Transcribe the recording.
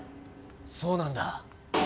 そうなんだ。